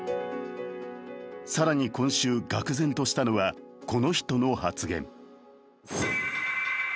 更に今週、がく然としたのはこの人の発言。